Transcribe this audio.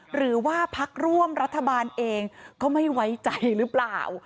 หรือว่าพักร่วมรัฐบาลเองก็ไม่ไว้ใจหรือเปล่า